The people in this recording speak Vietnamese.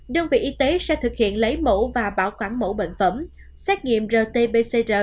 đơn vị y tế sẽ thực hiện lấy mẫu và bảo quản mẫu bệnh phẩm xét nghiệm rt pcr